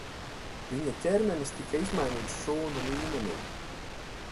Viņa ķermenis tika izmainīts šūnu līmenī.